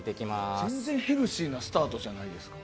全然ヘルシーなスタートじゃない。